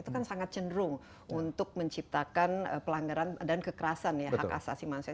itu kan sangat cenderung untuk menciptakan pelanggaran dan kekerasan ya hak asasi manusia